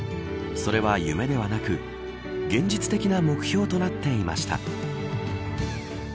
それは夢ではなく現実的な目標となっていました。